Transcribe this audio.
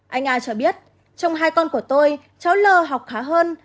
anh a cho biết trong hai con của tôi cháu l học khá hơn